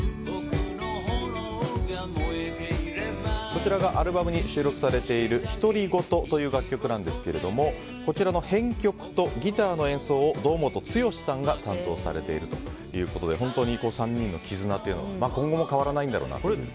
こちらがアルバムに収録されている「ひとりｇｏｔｏ」という楽曲なんですけどもこちらの編曲とギターの演奏を堂本剛さんが担当されているということで本当に３人の絆というのは今後も変わらないんだろうなという。